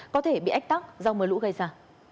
có thể bị ách tắc do mưa lũ gây ra